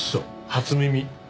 初耳。